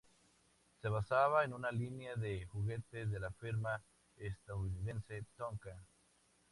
Se basaba en una línea de juguetes de la firma estadounidense Tonka.